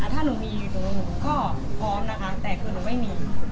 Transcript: ถ้าหนูมีหนูก็พร้อมนะคะแต่คือหนูไม่มี